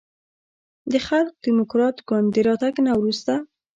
د خلق دیموکراتیک ګوند د راتګ نه وروسته